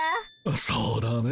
そうだね。